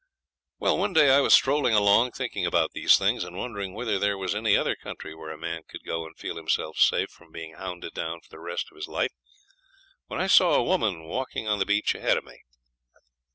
Well, one day I was strolling along, thinking about these things, and wondering whether there was any other country where a man could go and feel himself safe from being hounded down for the rest of his life, when I saw a woman walking on the beach ahead of me.